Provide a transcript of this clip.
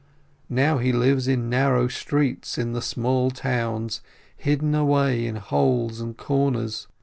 Now he lives in narrow streets, in the small towns, hidden away in holes and corners.